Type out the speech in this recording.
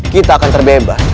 kita akan terbebas